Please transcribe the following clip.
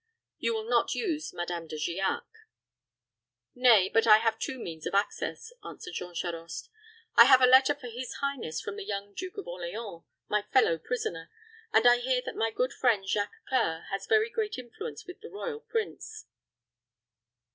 You will not use Madame De Giac." "Nay, but I have two means of access," answered Jean Charost. "I have a letter for his highness from the young Duke of Orleans, my fellow prisoner; and I hear that my good friend Jacques C[oe]ur has very great influence with the royal prince."